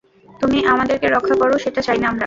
তুমি আমাদেরকে রক্ষা করো, সেটা চাই না আমরা।